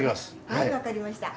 はい分かりました。